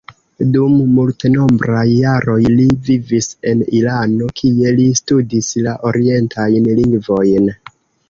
Dum multenombraj jaroj li vivis en Irano, kie li studis la orientajn lingvojn.